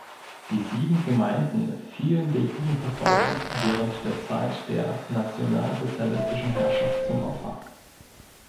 Die sieben Gemeinden fielen der Judenverfolgung während der Zeit der nationalsozialistischen Herrschaft zum Opfer.